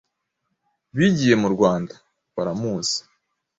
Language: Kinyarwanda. bigiye mu Rwanda baramuzi.